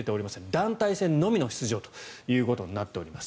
団体戦のみの出場となっております。